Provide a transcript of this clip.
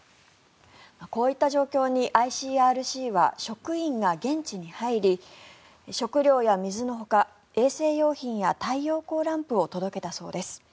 こういった状況にＩＣＲＣは職員が現地に入り食料や水のほか衛生用品や太陽光ランプを届けたそうです。